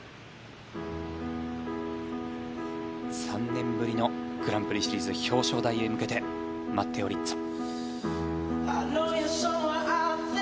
３年ぶりのグランプリシリーズ表彰台へ向けてマッテオ・リッツォ。